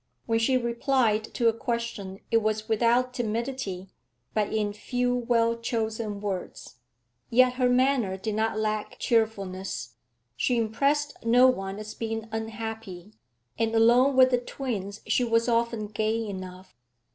When she replied to a question it was without timidity, but in few, well chosen words. Yet her manner did not lack cheerfulness; she impressed no one as being unhappy, and alone with the twins she was often gay enough.